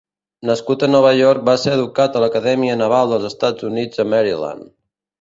Nascut a Nova York, va ser educat a l'Acadèmia Naval dels Estats Units, a Maryland.